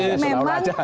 ini seulah ulah aja